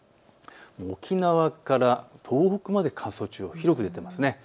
沖縄から東北まで乾燥注意報、広く出ています。